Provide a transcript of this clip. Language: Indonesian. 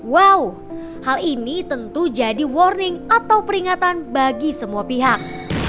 wow hal ini tentu jadi warning atau peringatan bagi semua pihak